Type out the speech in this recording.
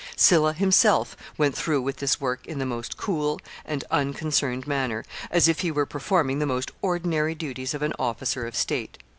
Sylla himself went through with this work in the most cool and unconcerned manner, as if he were performing the most ordinary duties of an officer of state.